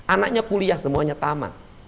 anaknya kuliah semuanya tamat